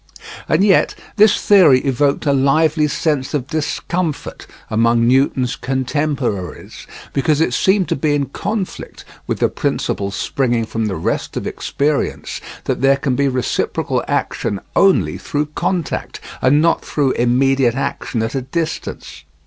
And yet this theory evoked a lively sense of discomfort among Newton's contemporaries, because it seemed to be in conflict with the principle springing from the rest of experience, that there can be reciprocal action only through contact, and not through immediate action at a distance.